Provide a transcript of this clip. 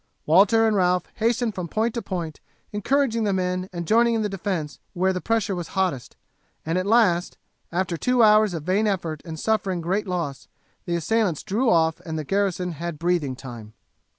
Walter and Ralph hastened from point to point encouraging the men and joining in the defence where the pressure was hottest; and at last, after two hours of vain effort and suffering great loss, the assailants drew off and the garrison had breathing time.